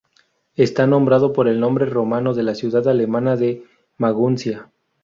Está nombrado por el nombre romano de la ciudad alemana de Maguncia.